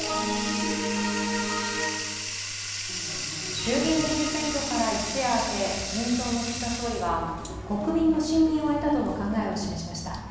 衆議院議員選挙から一夜明け自民党の岸田総理は国民の信任を得たとの考えを示しました。